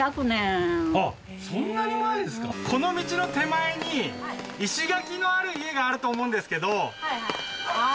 この道の手前に石垣のある家があると思うんですけど。